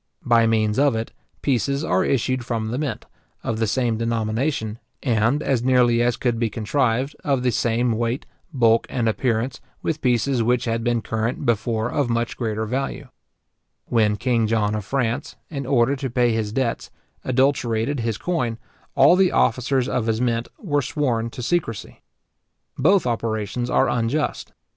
By means of it, pieces are issued from the mint, of the same denomination, and, as nearly as could be contrived, of the same weight, bulk, and appearance, with pieces which had been current before of much greater value. When king John of France, {See Du Cange Glossary, voce Moneta; the Benedictine Edition.} in order to pay his debts, adulterated his coin, all the officers of his mint were sworn to secrecy. Both operations are unjust.